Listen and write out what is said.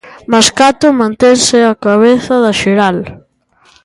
Mascato mantense á cabeza da xeral.